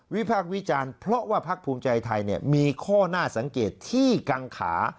พากษ์วิจารณ์เพราะว่าพักภูมิใจไทยมีข้อน่าสังเกตที่กังขา